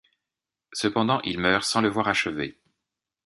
Cependant, il meurt sans le voir achevé.